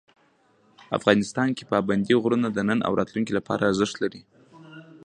افغانستان کې پابندی غرونه د نن او راتلونکي لپاره ارزښت لري.